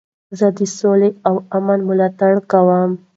زه د سولي او امن ملاتړ کوم.